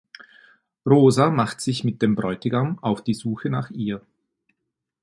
Rosa macht sich mit dem Bräutigam auf die Suche nach ihr.